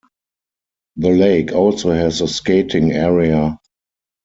The lake also has a skating area.